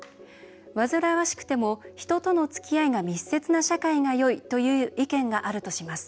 「わずらわしくても人とのつきあいが密接な社会がよい」という意見があるとします。